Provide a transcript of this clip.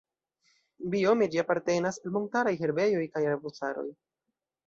Biome ĝi apartenas al montaraj herbejoj kaj arbustaroj.